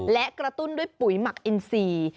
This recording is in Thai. และกระตุ้นด้วยปุ๋ยหมักอินซี